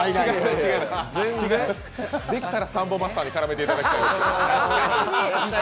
できたらサンボマスターに絡めていただきたい。